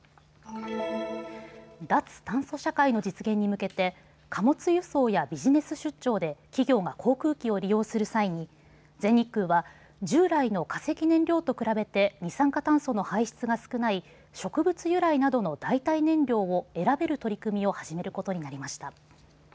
脱炭素社会の実現に向けて貨物輸送やビジネス出張で企業が航空機を利用する際に全日空は従来の化石燃料と比べて二酸化炭素の排出が少ない植物由来などの代替燃料を選べる取り組みを始めることになりました。